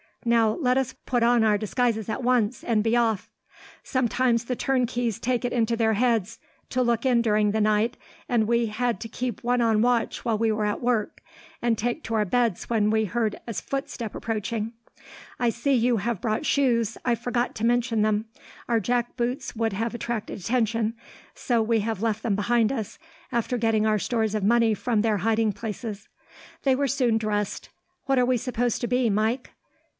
Now, let us put on our disguises at once, and be off. Sometimes the turnkeys take it into their heads to look in during the night, and we had to keep one on watch while we were at work, and take to our beds when we heard a footstep approaching. "I see you have brought shoes. I forgot to mention them. Our jack boots would have attracted attention, so we have left them behind us, after getting our stores of money from their hiding places." They were soon dressed. "What are we supposed to be, Mike?"